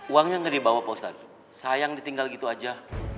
uangnya gak dibawa pak ustad sayang ditinggal gitu aja